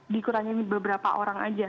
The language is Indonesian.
dikurangin beberapa orang saja